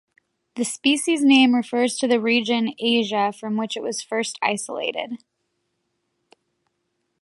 The species name refers to the region (Asia) from which it was first isolated.